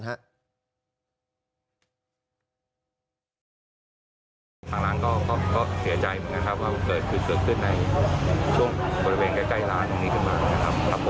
ทางร้านก็เสียใจว่าเกิดคือเกิดขึ้นในช่วงบริเวณใกล้ร้านขึ้นมา